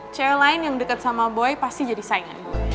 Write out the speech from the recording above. cewek lain yang deket sama boy pasti jadi saingan